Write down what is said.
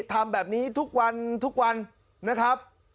ทำแบบนี้ทุกวันทุกวันนะครับ